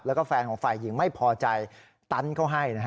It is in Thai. แล้วก็แฟนของฝ่ายหญิงไม่พอใจตันเขาให้นะฮะ